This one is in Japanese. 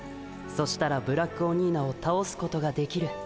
そしたらブラックオニーナをたおすことができる。